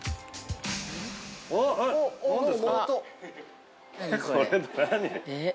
◆おっ！